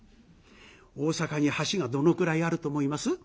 大阪に橋がどのくらいあると思います？